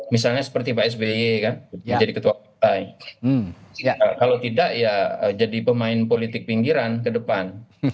misalnya seperti pak sby kan jadi ketua partai kalau tidak ya jadi pemain politik pinggiran ke depan